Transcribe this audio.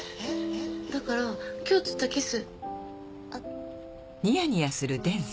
だから今日釣ったキス。